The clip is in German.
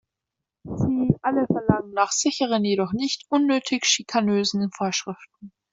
Sie alle verlangen nach sicheren, jedoch nicht unnötig schikanösen Vorschriften.